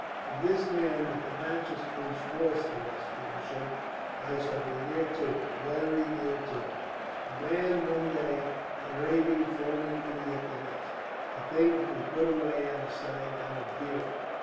"If this man with the matches proves false to us, Feversham, I shall be near to it very near to it. A man one day, a raving, foaming idiot the next a thing to be put away out of sight, out of hearing.